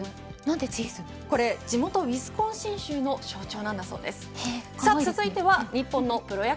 地元ウィスコンシン州の象徴なのだそうです。